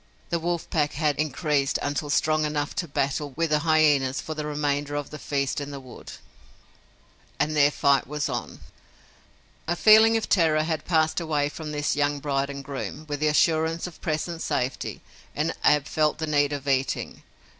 The wolf pack had increased until strong enough to battle with the hyenas for the remainder of the feast in the wood, and their fight was on. The feeling of terror had passed away from this young bride and groom, with the assurance of present safety, and Ab felt the need of eating.